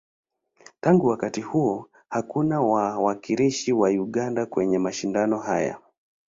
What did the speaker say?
Tangu wakati huo, hakuna wawakilishi wa Uganda kwenye mashindano haya.